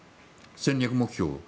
戦略目標を。